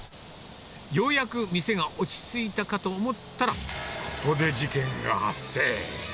ようやく店が落ち着いたかと思ったら、ここで事件が発生。